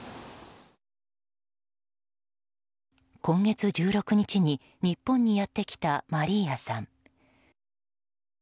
今月１６日に日本にやってきたマリーアさん。